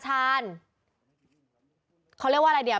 ทั้งหลวงผู้ลิ้น